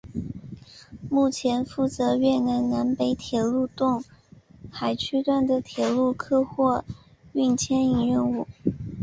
目前负责越南南北铁路洞海区段的铁路客货运牵引任务。